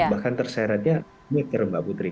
bahkan terseretnya meter mbak putri